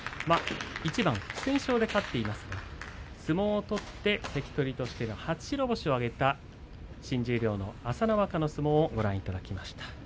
一番不戦勝で勝っていますが相撲を取って関取としての初白星を挙げた新十両の朝乃若の相撲をご覧いただきました。